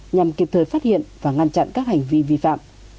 nhằm kịp thời phát hiện và ngăn chặn các hành vi vi phạm